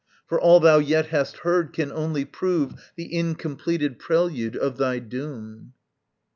For all thou yet hast heard can only prove The incompleted prelude of thy doom.